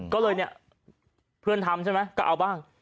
ก็เลยเนี่ยเพื่อนทำใช่ไหมก็เอาบ้าง